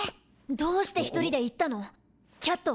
どうして１人で行ったの⁉キャット！